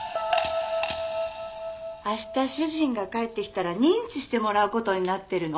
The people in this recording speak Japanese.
明日主人が帰ってきたら認知してもらう事になってるの。